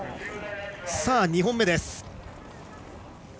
２本目です。